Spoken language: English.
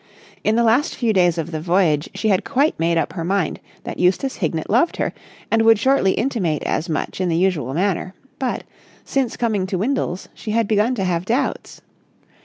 In the last few days of the voyage she had quite made up her mind that Eustace Hignett loved her and would shortly intimate as much in the usual manner; but, since coming to Windles, she had begun to have doubts.